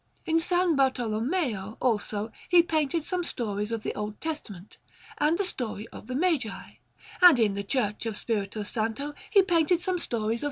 In S. Bartolommeo, also, he painted some stories of the Old Testament and the story of the Magi; and in the Church of Spirito Santo he painted some stories of S.